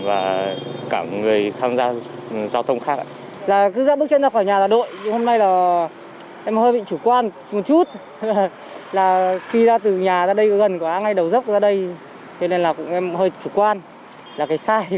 và cả người tham gia giao thông khác